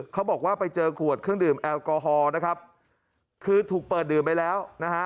เขาบอกว่าไปเจอขวดเครื่องดื่มแอลกอฮอล์นะครับคือถูกเปิดดื่มไปแล้วนะฮะ